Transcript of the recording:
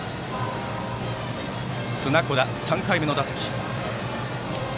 砂子田、３回目の打席。